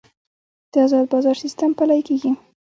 د ازاد بازار سیستم پلی کیږي